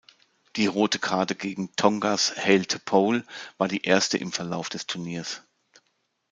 Die rote Karte gegen Tongas Hale T-Pole war die erste im Verlauf des Turniers.